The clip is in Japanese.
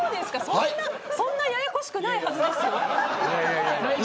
そんなややこしくないはずですよ。